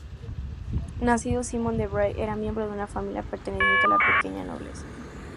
Nacido Simón de Brie, era miembro de una familia perteneciente a la pequeña nobleza.